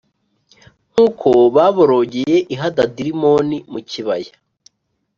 nkuko baborogeye i Hadadirimoni mu kibaya